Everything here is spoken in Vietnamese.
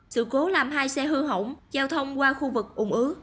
sự cố làm hai xe hư hỏng giao thông qua khu vực ủng ứ